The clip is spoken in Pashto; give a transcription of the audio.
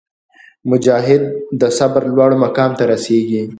مجاهد د صبر لوړ مقام ته رسېږي.